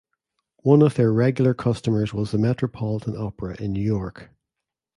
One of their regular customers was the Metropolitan Opera in New York.